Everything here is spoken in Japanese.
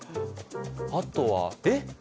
あとはえっ！？